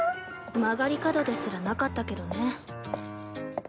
曲がり角ですらなかったけどね。